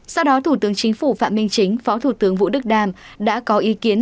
sau đó thủ tướng chính phủ phạm minh chính phó thủ tướng vũ đức đam đã có ý kiến